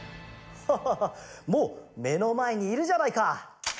ハハハもうめのまえにいるじゃないか！